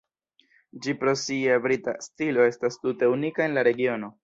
Ĝi pro sia brita stilo estas tute unika en la regiono.